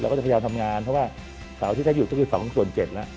เราก็จะพยายามทำงานเพราะว่าสมัยยืดก็คือสองส่วนเจ็ดละ